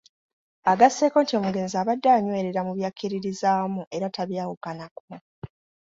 Agasseeko nti omugenzi abadde anywerera mu by'akkiririzaamu era tabyawukanako.